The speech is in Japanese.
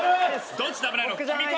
どっちだ危ないの君か？